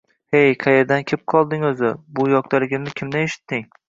– Hey, qayerdan kepqolding, o‘zi? Bu yoqdaligimni kimdan eshitding?